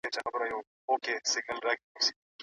کتاب د انسان ذهن ته سکون ورکوي او د ژوند فشارونه کموي.